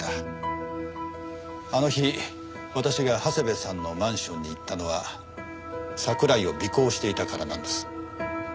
あの日私が長谷部さんのマンションに行ったのは桜井を尾行していたからなんです。